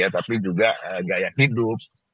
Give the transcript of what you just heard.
tapi juga gaya hidup